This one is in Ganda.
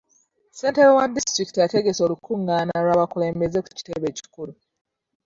Ssentebe wa disitulikiti ategese olukungaana lw'abakulembeze ku kitebe ekikulu.